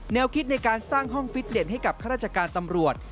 คิดในการสร้างห้องฟิตเด่นให้กับข้าราชการตำรวจ